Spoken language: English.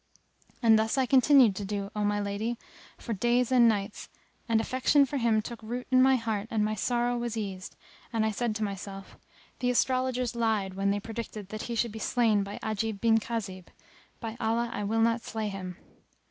And thus I continued to do, O my lady, for days and nights and affection for him took root in my heart and my sorrow was eased, and I said to myself, "The astrologers lied[FN#271] when they predicted that he should be slain by Ajib bin Khazib: by Allah, I will not slay him."